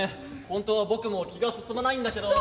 本当は僕も気が進まないんだけど」。